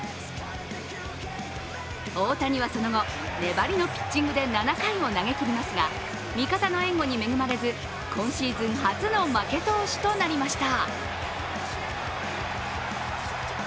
大谷はその後、粘りのピッチングで７回を投げきりますが、味方の援護に恵まれず今シーズン初の負け投手となりました。